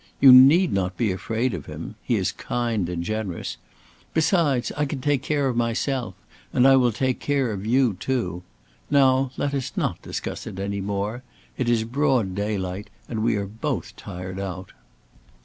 You need not be afraid of him. He is kind and generous. Besides, I can take care of myself; and I will take care of you too. Now let us not discuss it any more. It is broad daylight, and we are both tired out."